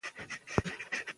سوځېدنه ژر یخه کړئ.